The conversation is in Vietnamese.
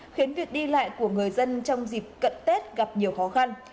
khiến việc đi lại của người dân trong dịp cận tết gặp nhiều khó khăn